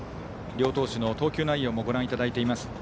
両投手の投球内容もご覧いただいています。